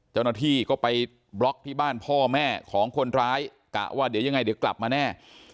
เจ้าหน้าที่ก็ไปบล็อกที่บ้านพ่อแม่ของคนร้ายกะว่าเดี๋ยวยังไงเดี๋ยวกลับมาแน่